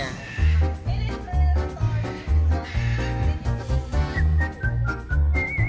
dan inilah atraksi yang ditunggu tunggu